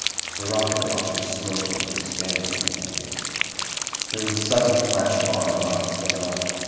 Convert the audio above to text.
Sir Robert watched a smoke ring expand in the air. There was a sudden clash of arms off to their left.